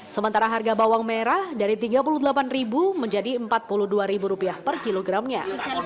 sementara harga bawang merah dari rp tiga puluh delapan menjadi rp empat puluh dua per kilogramnya